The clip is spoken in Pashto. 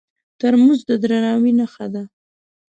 ترموز د درناوي نښه ده.